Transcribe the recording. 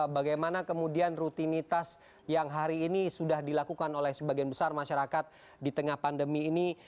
bagaimana kemudian rutinitas yang hari ini sudah dilakukan oleh sebagian besar masyarakat di tengah pandemi ini